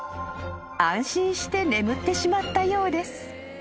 ［安心して眠ってしまったようです］